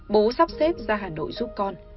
bố sắp xếp ra hà nội giúp con